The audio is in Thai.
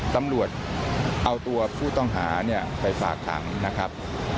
ตำรวจเอาตัวผู้ต้องหาเนี่ยไปฝากขังนะครับ